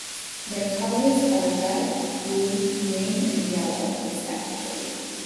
Their colours are red, blue, green and yellow, respectively.